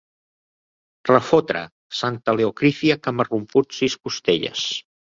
Refotre! Santa Leocrícia! Que m'ha romput sis costelles!